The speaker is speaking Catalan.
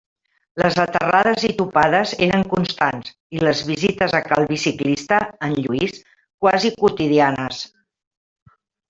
Les aterrades i topades eren constants i les visites a cal biciclista, en Lluís, quasi quotidianes.